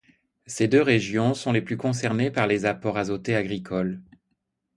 Ces deux régions sont les plus concernées par les apports azotés agricoles.